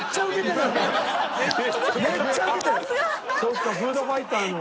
そっかフードファイターの。